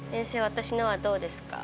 私のはどうですか？